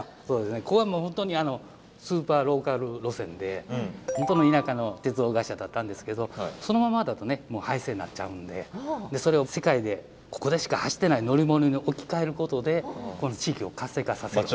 ここはもう本当にスーパーローカル路線で本当に田舎の鉄道会社だったんですけどそのままだと廃線になっちゃうんでそれを世界でここでしか走ってない乗り物に置き換えることで地域を活性化させる。